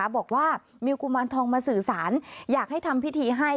บอกว่ามีกุมารทองมาสื่อสารอยากให้ทำพิธีให้